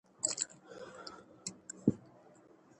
مور د ماشومانو د روغتیا لپاره د منظمو معاینو اهمیت پوهیږي.